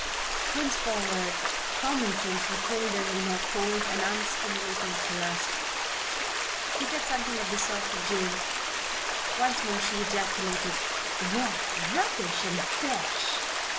Henceforward common sense would hold him in her cold and unstimulating clasp. He said something of the sort to Jane. Once more she ejaculated "Rot, rubbish and bosh!"